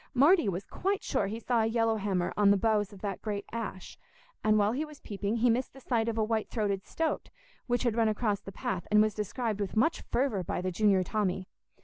Marty was quite sure he saw a yellow hammer on the boughs of the great ash, and while he was peeping, he missed the sight of a white throated stoat, which had run across the path and was described with much fervour by the junior Tommy.